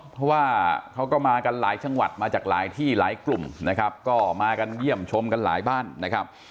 เพราะว่าเขาก็มากันหลายจังหวัดมาจากหลายที่หลายกลุ่มนะครับก็มากันเยี่ยมชมกันหลายบ้านนะครับ